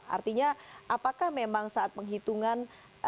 artinya apakah memang saat penghitungan